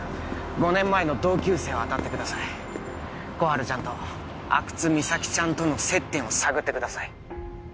５年前の同級生を当たってください心春ちゃんと阿久津実咲ちゃんとの接点を探ってください